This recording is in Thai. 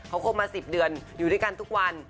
เขาคบมา๑๐เดือนอยู่ด้วยกันทุกวัน